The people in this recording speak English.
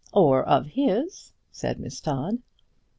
"Or of his," said Miss Todd.